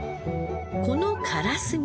このカラスミ